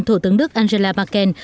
thủ tướng đức angela merkel